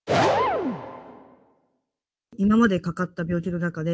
今までかかった病気の中で、